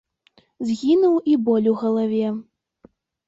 Згінуў і боль у галаве.